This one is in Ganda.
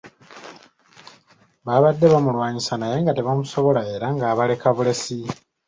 Baabadde bamulwanyisa naye nga tebamusobola era nga abaleka bulesi.